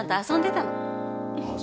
遊んでた？